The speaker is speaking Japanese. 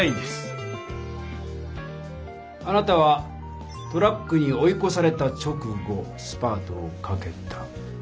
あなたはトラックに追いこされた直後スパートをかけた。